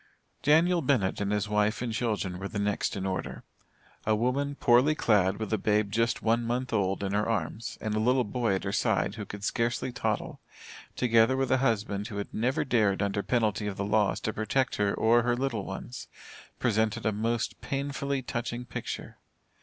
Daniel Bennett and his wife and children were the next in order. A woman poorly clad with a babe just one month old in her arms, and a little boy at her side, who could scarcely toddle, together with a husband who had never dared under penalty of the laws to protect her or her little ones, presented a most painfully touching picture.